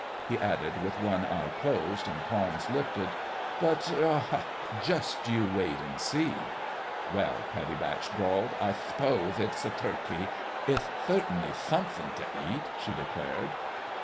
He added, with one eye closed, and palms lifted :" But aha! just you wait and see." " Well," Pattie Batch drawled, " I th'pose it'th a turkey. It'th thertainly tftomethm' t' eat," she declared.